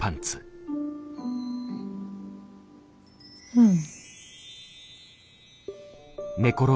うん。